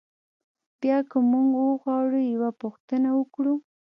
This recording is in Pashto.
بیا که موږ وغواړو یوه پوښتنه وکړو.